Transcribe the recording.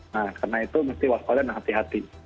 nah karena itu mesti waspada dan hati hati